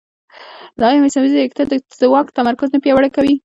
ایا مصنوعي ځیرکتیا د ځواک تمرکز نه پیاوړی کوي؟